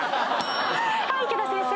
はい池田先生。